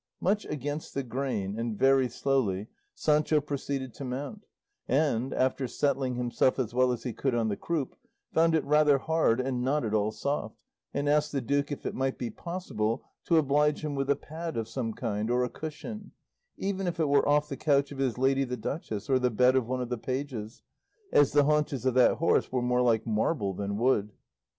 Much against the grain, and very slowly, Sancho proceeded to mount, and, after settling himself as well as he could on the croup, found it rather hard, and not at all soft, and asked the duke if it would be possible to oblige him with a pad of some kind, or a cushion; even if it were off the couch of his lady the duchess, or the bed of one of the pages; as the haunches of that horse were more like marble than wood.